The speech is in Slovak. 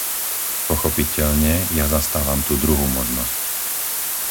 Pochopiteľne, ja zastávam tú druhú možnosť.